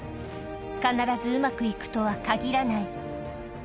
必ずうまくいくとはかぎらない。